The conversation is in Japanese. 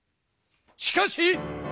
しかし！